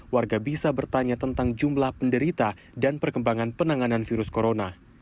warga bisa bertanya tentang jumlah penderita dan perkembangan penanganan virus corona